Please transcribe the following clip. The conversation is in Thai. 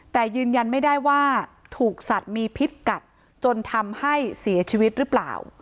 แต่ยืนยันไม่ได้ว่าถูกสัตว์มีพิษกัดจนทำให้เสียชีวิตหรือเปล่า